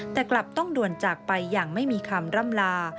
แต่กลับต้องด่วนจากไปอย่างไม่มีคำร่ำลา